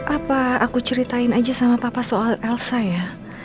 apa aku ceritain aja sama papa soal elsa ya